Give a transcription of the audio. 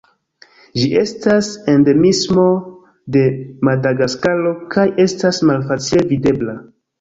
Ĝi estas endemismo de Madagaskaro, kaj estas malfacile videbla.